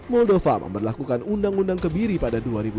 muldova memperlakukan undang undang kebiri pada dua ribu dua